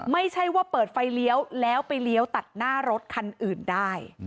ไม่ใช่ว่าเปิดไฟเลี้ยวแล้วไปเลี้ยวตัดหน้ารถคันอื่นได้